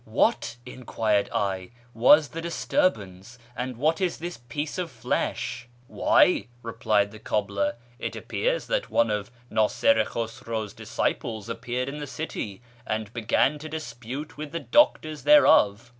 What,' enquired I, ' was the disturbance, and what is this piece of flesh ?'' Why,' replied the cobbler, 'it appears that one of Nasir i Khusraw's disciples appeared in the city and began to dispute with the doctors thereof.